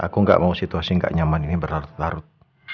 aku gak mau situasi gak nyaman ini berlarut larut